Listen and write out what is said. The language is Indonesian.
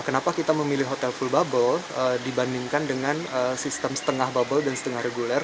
kenapa kita memilih hotel full bubble dibandingkan dengan sistem setengah bubble dan setengah reguler